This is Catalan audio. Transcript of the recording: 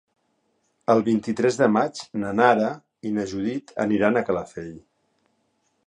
El vint-i-tres de maig na Nara i na Judit aniran a Calafell.